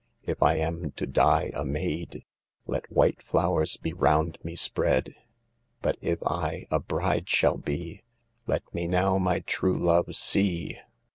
If I am to die a maid. Let white flowers be round me spread ; But if I a bride shall be, Let me now my true love see."